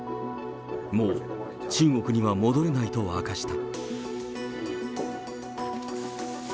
もう中国には戻れないと明かした。